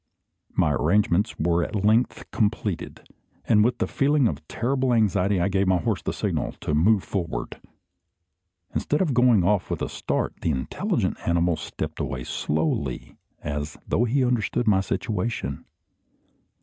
My arrangements were at length completed; and with a feeling of terrible anxiety I gave my horse the signal to move forward. Instead of going off with a start, the intelligent animal stepped away slowly, as though he understood my situation.